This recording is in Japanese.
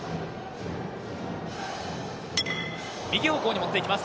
右方向に持っていきます。